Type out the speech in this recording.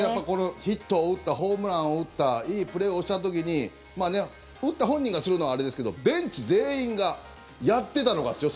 ヒットを打ったホームランを打ったいいプレーをした時に打った本人がするのはあれですけどベンチ全員がやってたのがですよ